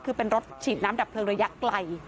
คือเป็นรถฉีดน้ำดับเพลิงระยะไกล